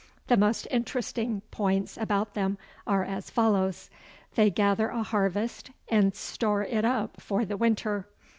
The most interesting points about them are as follows. They gather a harvest and store it up for the winter.